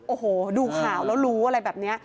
โอ้โหดูข่าวแล้วรู้อะไรแบบนี้